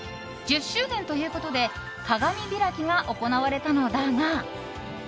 １０周年ということで鏡開きが行われたのだが。